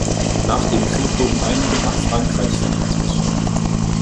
Nach dem Krieg wurden einige nach Frankreich vermietet.